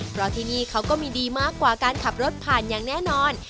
เพราะที่นี่เขาก็มีดีมากกว่าการขับรถผ่านอย่างแน่นอน